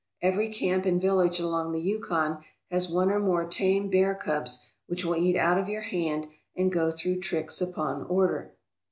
Every camp and village along the Yukon has one or more tame bear cubs which will eat out of your hand and go through tricks upon order.